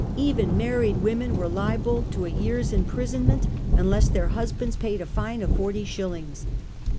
Even married women were liable to a yeaPs imprisonment unless their husbands paid a fine of forty shillings.